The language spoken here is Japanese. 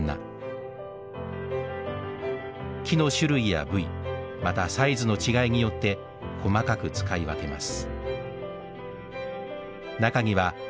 木の種類や部位またサイズの違いによって細かく使い分けます。